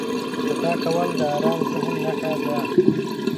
• خندا کول د ارام ذهن نښه ده.